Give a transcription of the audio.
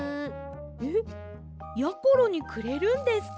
えっやころにくれるんですか？